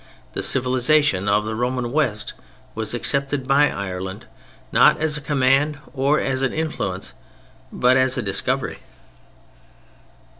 The civilization of the Roman West was accepted by Ireland, not as a command nor as an influence, but as a discovery.